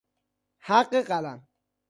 حق قلم